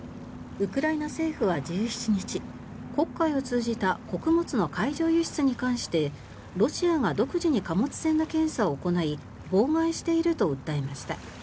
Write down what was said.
ウクライナ政府は１７日黒海を通じた穀物の海上輸出に関してロシアが独自に貨物船の検査を行い妨害していると訴えました。